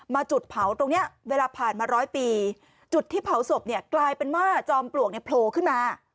จุดเผาตรงเนี้ยเวลาผ่านมาร้อยปีจุดที่เผาศพเนี่ยกลายเป็นว่าจอมปลวกเนี่ยโผล่ขึ้นมา